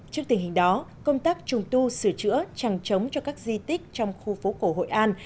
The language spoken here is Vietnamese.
trước tình hình đó công tác trùng tu sửa chữa trăng chống cho các di tích trong khu phố cổ hội an